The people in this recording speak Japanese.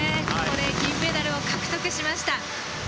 ここで銀メダルを獲得しました。